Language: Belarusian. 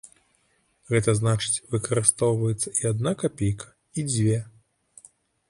Гэта значыць выкарыстоўваецца і адна капейка, і дзве.